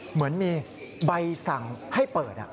เหมือนมีใบสั่งให้เปิด